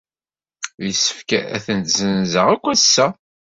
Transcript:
Yessefk ad tent-ssenzeɣ akk ass-a.